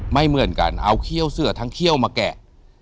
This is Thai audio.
ไม่เหมือนกันเอาเขี้ยวเสือทั้งเขี้ยวมาแกะ